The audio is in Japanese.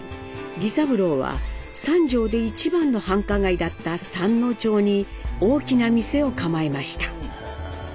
儀三郎は三条で一番の繁華街だった三之町に大きな店を構えました。